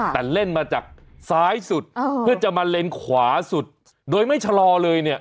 แต่เล่นมาจากซ้ายสุดเพื่อจะมาเลนขวาสุดโดยไม่ชะลอเลยเนี่ย